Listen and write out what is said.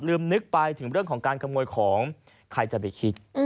นึกไปถึงเรื่องของการขโมยของใครจะไปคิด